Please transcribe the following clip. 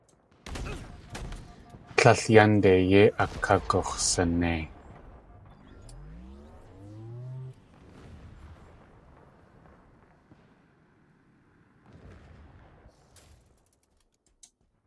Tlél yánde yéi akagux̲sanei.